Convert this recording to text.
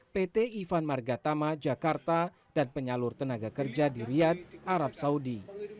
pt ivan margatama jakarta dan penyalur tenaga kerja di riyad arab saudi